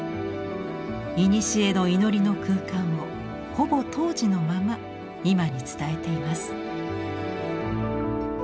いにしえの祈りの空間をほぼ当時のまま今に伝えています。